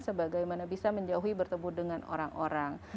sebagaimana bisa menjauhi bertemu dengan orang orang